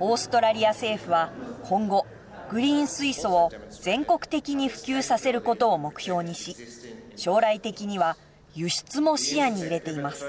オーストラリア政府は今後グリーン水素を全国的に普及させることを目標にし将来的には輸出も視野に入れています。